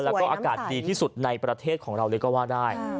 แล้วก็อากาศดีที่สุดในประเทศของเราเลยก็ว่าได้